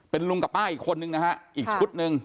เป็นลุงกับป้าอีกคนนึงนะฮะอีกชุดหนึ่ง